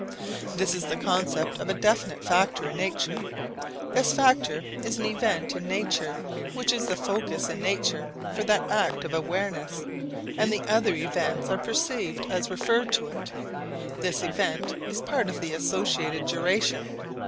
This is the concept of a definite factor in nature. This factor is an event in nature which is the focus in nature for that act of awareness, and the other events are perceived as referred to it. This event is part of the associated duration.